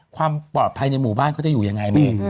ความปลอบภัยในหมู่บ้านก็จะอยู่อย่างไรมี